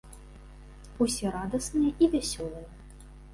Усе радасныя і вясёлыя.